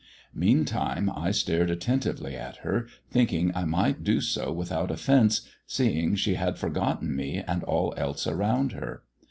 Meantime I stared attentively at her, thinking I might do so without offence, seeing she had forgotten me and all else around her.